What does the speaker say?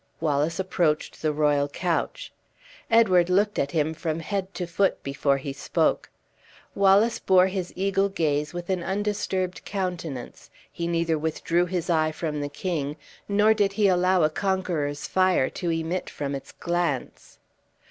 Wallace approached the royal couch. Edward looked at him from head to foot before he spoke. Wallace bore his eagle gaze with an undisturbed countenance; he neither withdrew his eye from the king, nor did he allow a conqueror's fire to emit from its glance.